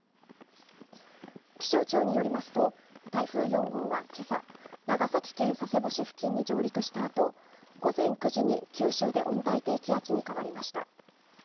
気象庁によりますと台風４号は、けさ長崎県佐世保市付近に上陸したあと午前９時に九州で温帯低気圧に変わりました。